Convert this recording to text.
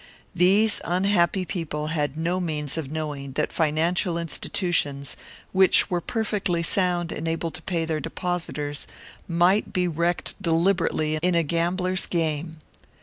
These unhappy people had no means of knowing that financial institutions, which were perfectly sound and able to pay their depositors, might be wrecked deliberately in a gamblers' game.